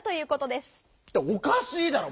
おかしいだろ！